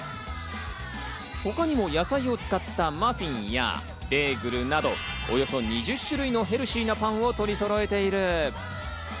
他にも野菜を使ったマフィンやベーグルなどおよそ２０種類のヘルシーなパンを取りそろえている。